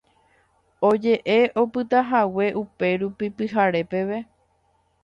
Oje'e opytahague upérupi pyhare peve